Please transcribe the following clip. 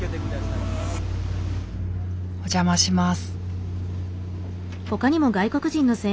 お邪魔します。